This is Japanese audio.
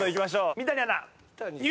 三谷アナ。